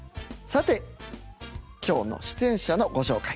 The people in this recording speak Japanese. さて今日の出演者のご紹介。